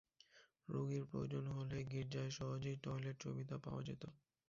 রোগীর প্রয়োজন হলে গির্জায় সহজেই টয়লেট সুবিধা পাওয়া যেত।